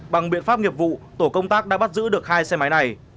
bằng biện pháp nghiệp vụ tổ công tác đã bắt giữ được hai xe máy này